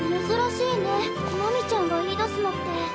珍しいね真美ちゃんが言いだすのって。